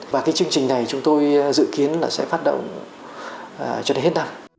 và cái chương trình này chúng tôi dự kiến là sẽ phát động cho đến hết năm